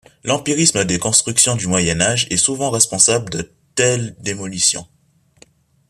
L'empirisme des constructions du Moyen Âge est souvent responsable de telles démolitions.